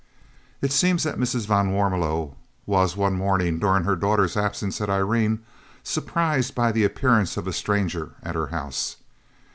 It seems that Mrs. van Warmelo was one morning, during her daughter's absence at Irene, surprised by the appearance of a stranger at her house.